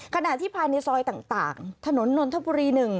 ขณะที่ภายในซอยต่างถนนนนทบุรี๑